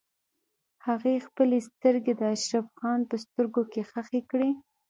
هغې خپلې سترګې د اشرف خان په سترګو کې ښخې کړې.